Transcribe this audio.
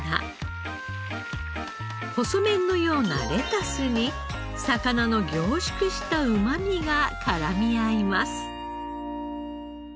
細麺のようなレタスに魚の凝縮したうまみが絡み合います。